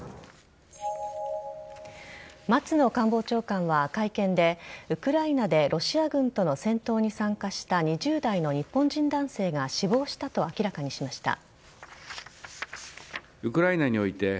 松野官房長官は会見でウクライナでロシア軍との戦闘に参加した２０代の日本人男性が死亡したと明らかにしました。